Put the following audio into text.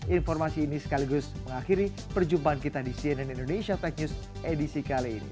informasi ini sekaligus mengakhiri perjumpaan kita di cnn indonesia tech news edisi kali ini